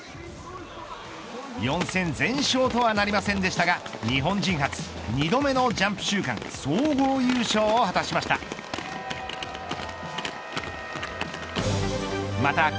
４戦全勝とはなりませんでしたが日本人初２度目のジャンプ週間総合優勝を果たしました。